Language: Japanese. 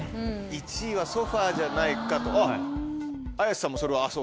１位はソファじゃないかと綾瀬さんもそれはそうかと。